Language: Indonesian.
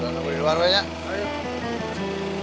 ada biar luari dari samad